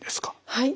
はい。